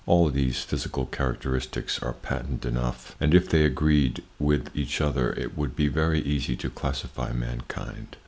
All these physical characteristics are patent enough, and if they agreed with each other it would be very easy to classify mankind.